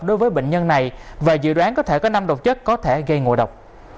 đối với bệnh nhân này và dự đoán có thể có năm độc chất có thể gây ngộ độc